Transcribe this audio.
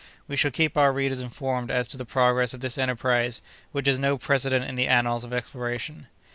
"We shall keep our readers informed as to the progress of this enterprise, which has no precedent in the annals of exploration."